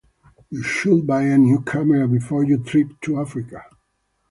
You should buy a new camera before your trip to Africa.